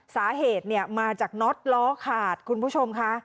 สาเหตุมาจากน็อตล้อขาดคุณผู้ชมค่ะ